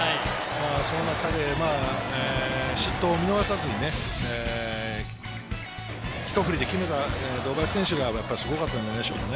その中で失投を見逃さずに、ひと振りで決めた堂林選手がやっぱりすごかったんじゃないでしょうか。